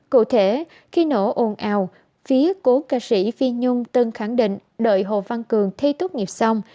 cụ thể khi nổ ồn ào phía cố ca sĩ phi nhung tân khẳng định đợi hồ văn cường thi tốt nghiệp xong